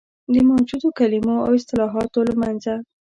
د موجودو کلمو او اصطلاحاتو له منځه.